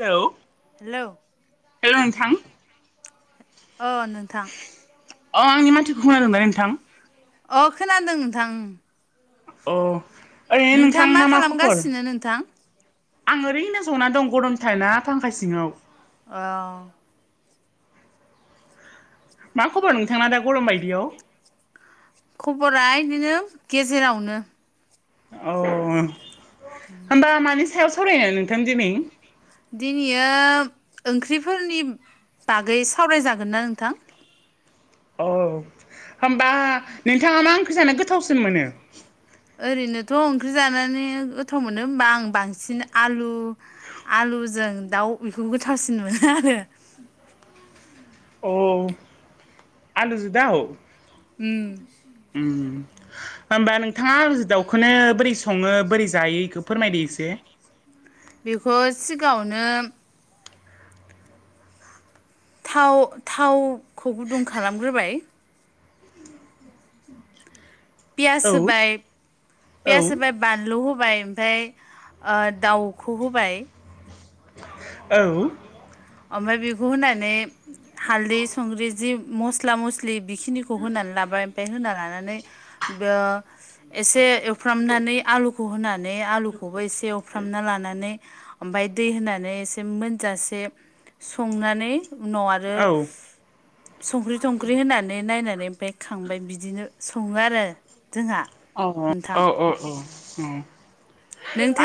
Hello hello hello नोंथां अ अ नोंथां अ आंनि माथोखौ खोनादों ना नोंथां अ खोनादों नोंथां अ ओरैनो नोंथाङा नोंथांना मा खबर खालामगासिनो नोंथां आं ओरैनो जना दं गरमथार ना फांखा सिङाव [inaudible] मा खबर नोंथांना दा गरम बायदियाव खबरा बिदिनो गेजेरावनो अ होमबा मानि सायाव सावरायनो नोंथां दिनै दिनैयो ओंख्रिफोरनि बागै सावरायजागोन ना नोंथां औ होनोमबा नोंथाङा मा ओंख्रि जानो गोथावसिन मोनो ओरैनोथ' ओंख्रि जानानै गोथाव मोनो होमबा आं बांसिन आलु आलुजों दाउ बेखौ गोथावसिन मोनो आरो अ आलुजों दाव उम उम होमबा नोंथाङा दाउखौनो बोरै सङो बोरै जायो बेखौ फोरमायदो एसे बेखौ सिगाङावनो थाव थावखौ गुदुं खालामग्रोबाय औ पियास औ होबाय बानलु होबाय ओमफ्राय दाउखौ होबाय औ ओमफ्राय बिखौ होनानै हालदै संख्रि जि मस्ला मस्लि बेखिनिखौ होनानै लाबाय होनना लानानै ओ एसे एवफ्रामनानै आलु खौ होनानै आलुखौबो एसे एवफ्रामना लानानै ओमफ्राय दै होनानै एसे मोनजासे संनानै उनाव आरो औ अ संख्रि थंख्रि होनानै नायनानै ओमफ्राय खांबाय बिदिनो सङो आरो जोंहा। औ नोंथां औ औ औ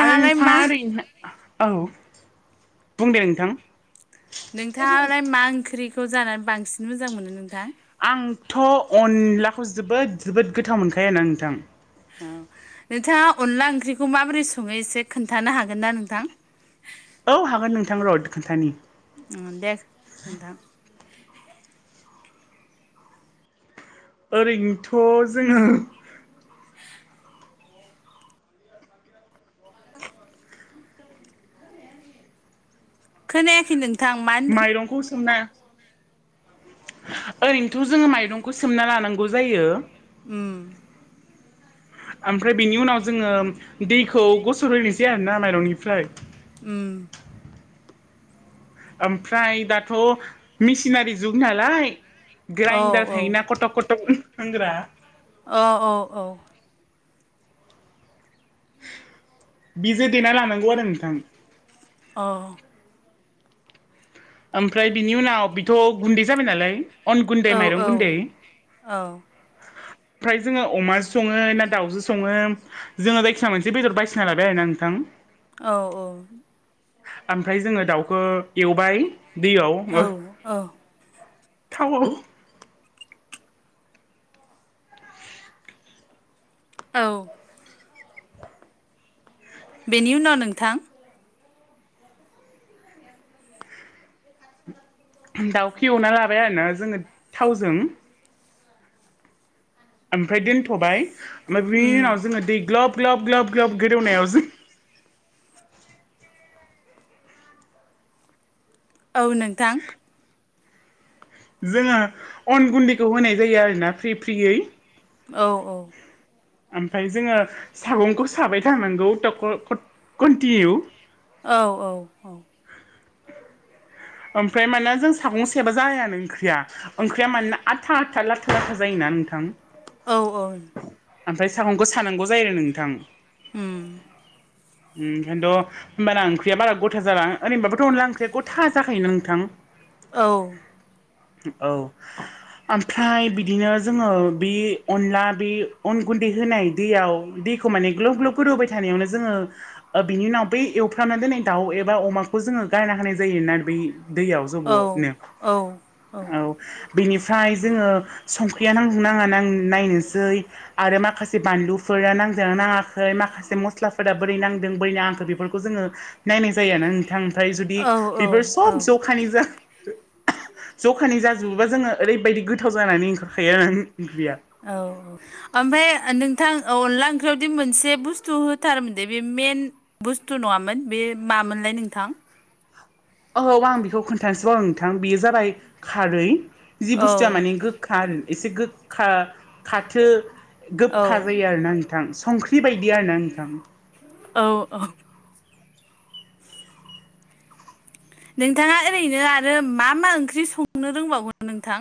आरो नोंथाङा मा ओरैनो औ बुंदे नोंथां। नोंथाङालाय मा ओंख्रिखौ जानानै बांसिन मोजां मोनो नोंथां? आंथ' अनलाखौ जोबोद जोबोद गोथाव मोनखायोना नोंथां। औ नोंथाङा अनला ओंख्रिखौ माबोरै सङो एसे खोन्थानो हागोन ना नोंथां? औ हागोन नोंथां र' खोन्थानि उम दे नोंथां। ओरैनोथ' जोङो खोनायाखै नों माइरंखौ सोमना ओरैनोथ' जोङो माइरंखौ सोमना लानांगौ जायो उम ओमफ्राय बेनि उनाव जोङो दैखौ गसरहोनोसै आरोना माइरंनिफ्राय उम ओमफ्राय दाथ' मेसिनारि जुग नालाय औ ग्राइन्दार औ थायोना कटक कटक होनग्रा औ औ औ बिजे देना लानांगौ आरो नोंथां। अ ओमफ्राय बिनि उनाव बेथ' गुन्दै जाबाय नालाय अन गुन्दै औ माइरं गुन्दै औ ओमफ्राय जोङो अमाजो सङो ना दाउजो सङो जोङो जायखिजाया मोनसे बेदर बासिना लाबाय आरोना नोंथां औ औ ओमफ्राय जोङो दाउखौ एवबाय औ दैयाव औ थावआव औ बेनि उनाव नोंथां दाउखौ एवना लाबाय आरोना जोङो थावजों ओमफ्राय दोनथ'बाय ओमफ्राय बिनि उम उनाव जोङो दै ग्लब ग्लब ग्लब ग्लब गोदौनायाव जों औ नोंथां। जोङो अन गुन्दैखौ होनाय जायो आरोना फ्रि फ्रियै औ औ ओमफ्राय जोङो सागंखौ साबाय थानांगौ टक-कन्टिनिउ औ औ औ ओमफ्राय मानोना जों सागं सेबा जायानो ओंख्रिया ओंख्रिया मानोना आथा लाथा लाथा जायोना नोंथां। औ औ ओमफ्राय सागंखौ सानांगौ जायो आरो नोंथां उम उम ओंखायनोथ' होनबाना ओंख्रिया ग'था जाना ओरैबाबोथ' अनला ओंख्रिया ग'था जाखायो नोंथां। औ औ ओमफ्राय बिदिनो जोङो बि अनला बे अन गुन्दै होनाय दैयाव दैखौ माने ग्ल'ब ग्ल'ब गोदोवहोबाय थानायावनो जोङो ओ बिनि उनाव बै एवफ्रामना दोननाय दाउ एबा अमाखौ जोङो गारना होनाय जायोना बै दैयाव। औ जबबनो औ औ बेनिफ्राय जोङो संख्रिया नांदो नाङा नां नायनोसै आरो माखासे बानलुफोरा नांजोना नाङाखै माखासे मस्लाफोरा बोरै नांदों बोरै नाङाखै बेफोरखौ जोङो नायनाय जायो आरो ना नोंथां ओमफाय जुदि औ औ बेफोर औ सब जखानि जा जखानि जाजोबोबा जोङो ओरैबायदि गोथाव जानानै ओंखारखायो आरो ओम ओंख्रिया औ ओमफाय ओ नोंथां ओ अनला ओंख्रियावदि मोनसे बुस्थु होथारमोन दे बे मेन बुस्थु नङामोन बे मामोनलाय नोंथां? औ आं बेखौ खोन्थासो बावदों नोंथां बेयो जाबाय खारै जि औ बुस्थुआ माने गो गोखा आरो एसे गोखा खाथो औ गोफा जायो आरोना नोंथां संख्रि बेबायदि आरो ना नोंथां औ औ नोंथाङा ओरैनो आरो मा मा ओंख्रि संनो रोंबावङो नोंथां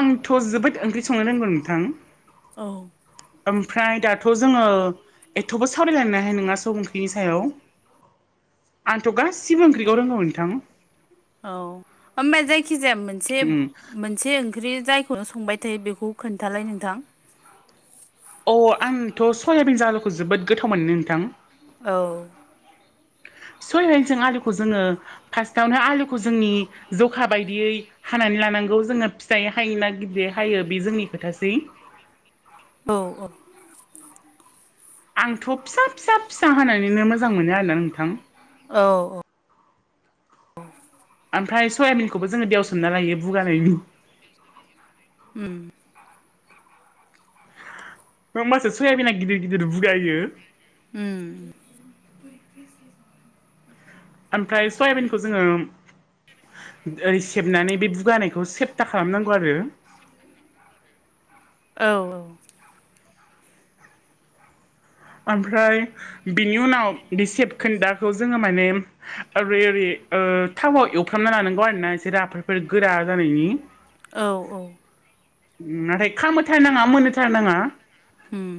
आंथ' जोबोद ओंख्रि संनो रोंगौ नोंथां। औ ओमफ्राय दाथ' जोङो एथबो सावरायलायनो हाया सब ओंख्रिनि सायाव। आंथ' गासिबो ओंख्रिखौ रोंगौ नोंथां। औ ओमबा जायखि जाया मोनसे उम मोन से ओंख्रि जायखौनो संबाय थायो बेखौ खोन्थालाय नोंथां। अ आंथ' सयाबिनजो आलुखो जोबोद गोथाव मोनो नोंथां। औ सयायिनजों आलुखौ जोङो फार्स्टआवनो आलुखौ जोंनि जखा बायदियै हानानै लानांगौ जोङो फिसायै हायोना गिदियै हायो बे जोंनि खोथासै औ औ आंथ' फिसा फिसा फिसा होनानैनो मोजां मोनो आरोना नोंथां। औ औ ओमफ्राय सयाबिनखौबो जोङो दैआव सोमना लायो बुगानायनि। ओम ओमबासो सयाबिना गिदिर गिदिर बुगायो। ओम ओमफ्राय सयाबिनखौ जोङो ओरै सेबनानै बे बुगानायखौ सेबथा खालामनांगौ आरो। औ औ ओमफ्राय बिनि उनाव बे सेबखोन्दाखौ जोङो माने ओरै ओरै ओ थावाव एवफ्रामना लानांगौ आरोना एसे राफोदफोर गोरा जानायनि औ औ नाथाय खामोथारनाङा मोनोथारनाङा ओम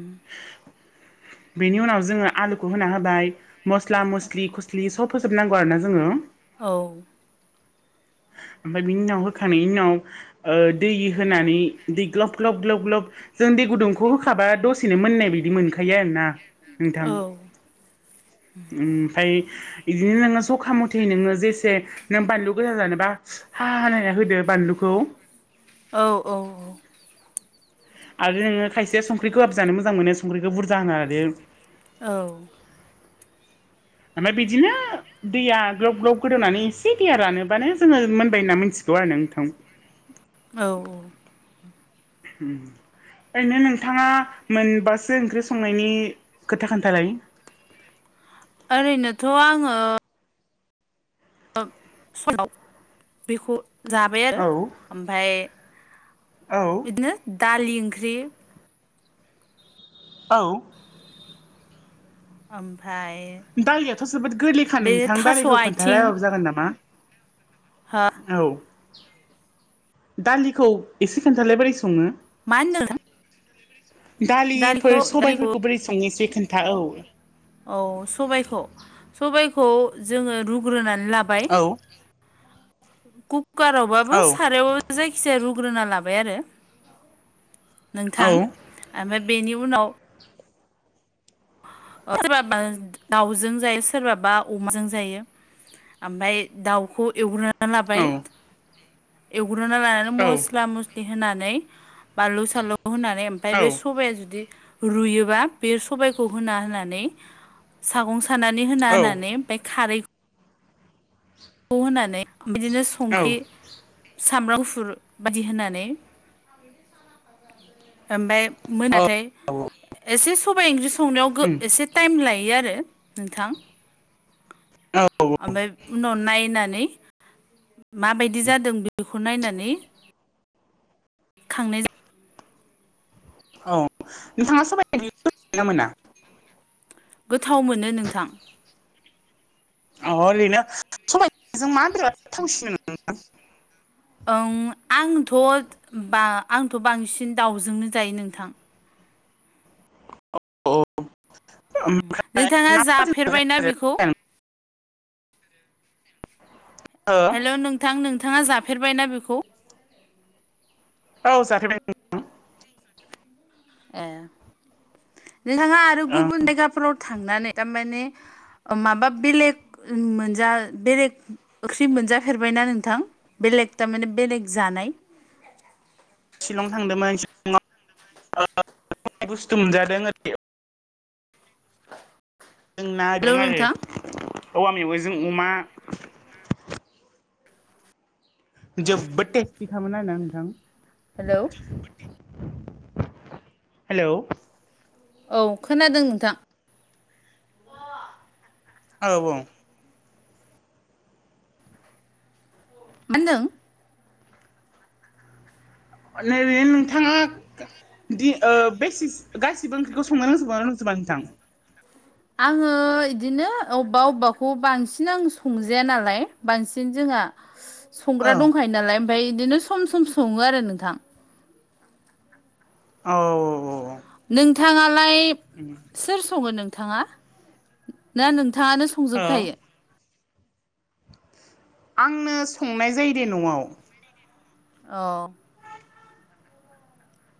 बेनि उनाव जोङो आलुखौ होना होबाय मस्ला मस्लि खुस स्लि सब होजोबनांगौ आरो ना जोङो। औ ओमफाय बिनि उनाव होखांनायनि उनाव ओ दै होनानै दै ग्लब ग्लब ग्लब जों दै गुदुंखौ होखाबा दस दसेनो मोननाय बायदि मोनखायो आरोना नोंथां। औ ओमफाय इदिनो नोङो जखा मथे नोङो जेसे नों बानलु गोजा जानोबा हा हा हा होनलायनाय होदो बानलुखौ औ औ औ आरो नोंङो खायसे संख्रिखौ आाब जानो मोजां मोनो संख्रिखौ बुरजा होनो आरो औ ओमफ्राय बिजदिनो दैया ग्लब ग्लब गोदौनानै एसे दैया रानोब्लानो जोङो मोनबाय होनना मिथिगौ आरो नों नोंथां औ ओरैनो नोंथांङा मोनबासो ओंख्रि संनायनि खोथा खोन्थालाय ओरैनोथ' आंङो साव बेखौ जाबाय आरो औ ओमफ्राय औ बिदिनो दालि ओंख्रि औ ओमफ्राय दारिलियाथ' जोबोद गोरलैखा बे नोंथां थास' बारिखौ खोन्था आथिं रायबाबो जागोन नामा हा औ दालिखौ एसे खोन्थालाय बारै संङो मा होनदों दालिफोर दालिखौ दालिखौ सबायफोरखौ बोरै संनोसै खोन्था औ औ सबायखौ सबायखौ जोंङो रुग्रोनानै लाबाय औ कुकारावबाबो औ सारायाव जायखिजाया रुग्रोना लाबाय आरो औ नोंथां ओमफ्राय बेनि उनाव सोरबाबा दाउजों जायो सोरबाबा अमाजों जायो ओमफ्राय दाउखौ एवग्रोनानै लाबाय औ एवग्रोनानै लानानै औ मस्ला मस होनानै बानलु सलु होनानै ओमफ्राय बे औ सबाया जुदि रुयोबा बे सबायखौ होना होनानै सागं सानानै होना होनानै औ ओमफाय खारै होनानै बिदिनो औ संख्रि सामब्राम गुफुर बायदि होनानै [inaudible] ओमफ्राय औ मोनाथाय एसे सबायाइ ओंख्रि संनायाव उम एसे टाइम लायो आरो नोंथां औ ओमफ्राय उनाव नायनानै माबायदि जादों बेखौ नायनानै खांनाय जायो औ नोंथांङा सबाइ ना मोना गोथाव मोनो नोंथां अ ओरैनो सबायजों [unintelligible] नोंथां ओं आंथ' बा आंथ' बांसिन दाउजोंनो जायो नोंथां नोंथाङा जाफेरबायना बेखौ [unintelligible] ओ ओ नोंथां नोंथांङा जाफेरबायना बेखौ औ जाफे ए नोंथांङा आरो ओं गुबुन जायगाफोराव थांनानै थारमाने माबा बेलेग मोनजा बेलेग ओंख्रि मोनजाफेरबायना नोंथां बेलेग थारमाने बेलेग जानाय शिलं थांदोंमोन लआव बुस्थु मोनजादों ओरै [inaudible] जों हेल' नाागदों आरो नोंथां औवा मेवाइजों अमा जोबोद टेस्टि खामोन आरोना नोंथां हेलौ हेलौ औ खोनादों नोंथां औ मा होनदों नैबे नोंथां ओ दि ओ बे सिस गासिबो ओंख्रिखौ संनो रोंजोबोना रोंजोबा नोंथां आङो इदिनो अवबा अवबाखौ बांसिन आं संजाया नालाय बांसिन जोंहा औ संग्रा दंखायो नालाय ओमफाय इदिनो सम सम सङो आरो नोंथां अ औ नोंथाङालाय उम सोर सङो नोंथाङा ना नोंथाङानो संजोब औ खायो आंनो संनाय जायो दे न'आव अ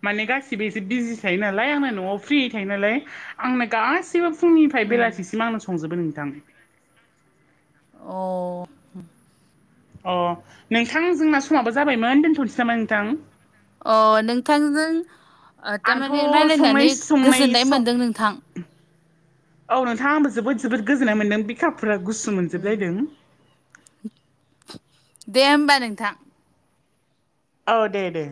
माने गासिबो एसे बिजि थायो नालाय आंनो न'आव फ्रियै थायो नालाय आंनो गासिबो फुंनिफ्राय उम बेलासिसिम आंनो संजोबो नोंथां अ अ नोंथां जोंना समाबो जाबायमोन दोनथ'नोसै नामा नोंथां अ नोंथांजों ओ आंथ' टामाने संनाय रायलायनानै संनाय गोजोननाय सं मोनदों नोंथां औ नोंथां आंबो जोबोद जोबोद गोजोननाय मोन्दों बिखाफोरानो गुसु मोनजोब लायदों दे होमबा नोंथां औ दे दे